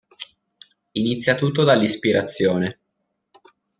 Inizia tutto dall'ispirazione.